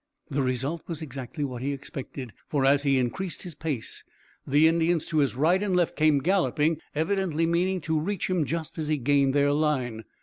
The result was exactly what he expected, for as he increased his pace the Indians to his right and left came galloping, evidently meaning to reach him just as he gained their line.